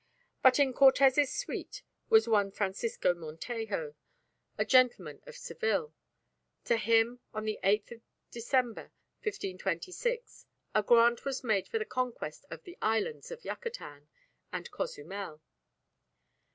But in Cortes's suite was one Francisco Montejo, a gentleman of Seville. To him, on the 8th December, 1526, a grant was made for the conquest of the "islands" of Yucatan and Cozumel.